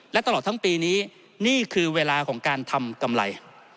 และตลอดทั้งปีนี้นี่คือเวลาของการทำกำไร